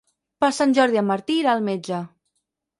Per Sant Jordi en Martí irà al metge.